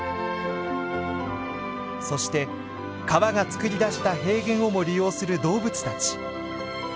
そして川が作り出した平原をも利用する動物たち。